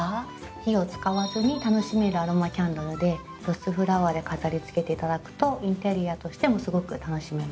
火を使わずに楽しめるアロマキャンドルでロスフラワーで飾り付けていただくとインテリアとしてもすごく楽しめます。